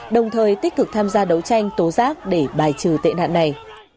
đồng thời tích cực tham gia đấu tranh tố giác để bài trừ tệ nạn này